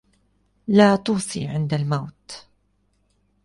لا توص عند الموت